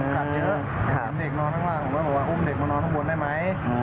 กัดเยอะถามเด็กนอนข้างล่างผมก็บอกว่าอุ้มเด็กมานอนข้างบนได้ไหม